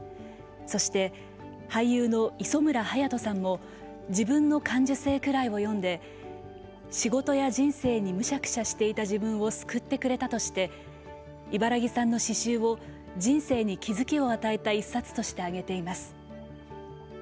そして俳優の磯村勇斗さんも「自分の感受性くらい」を読んで仕事や人生にむしゃくしゃしていた自分を救ってくれたとして茨木さんの詩集を人生に気付きを与えた一冊として挙げています。